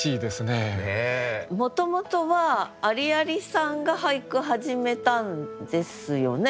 もともとはありありさんが俳句始めたんですよね？